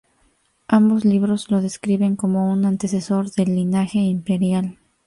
Ambos libros lo describen como un antecesor del linaje imperial.